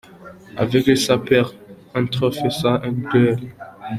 A vaincre sans péril on triomphe sans gloire!.